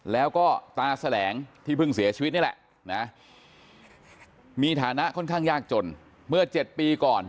แล้วก็ตาแสลงที่เพิ่งเสียชีวิตนี่แหละนะมีฐานะค่อนข้างยากจนเมื่อ๗ปีก่อน